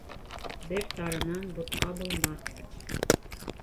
Бер тарынан бутҡа булмаҫ